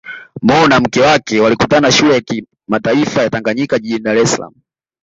Mo na mke wake walikutana Shule ya Kimataifa ya Tanganyika jijini Dar es Salaam